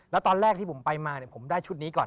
แล้วตอนแรกที่ผมไปมาผมได้ชุดนี้ก่อน